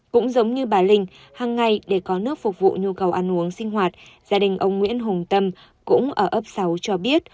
cũng giống như bà linh hằng ngày để có nước phục vụ nhu cầu ăn uống sinh hoạt gia đình ông nguyễn hùng tâm cũng ở ấp sáu cho biết